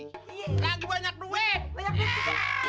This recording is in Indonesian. lagi banyak duit